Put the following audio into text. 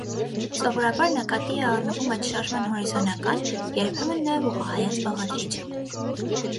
Սովորաբար նկատի է առնվում այդ շարժման հորիզոնական, երբեմն նաև ուղղահայաց բաղադրիչը։